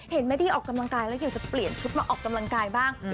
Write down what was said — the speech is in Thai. แม่ดี้ออกกำลังกายแล้วอยากจะเปลี่ยนชุดมาออกกำลังกายบ้าง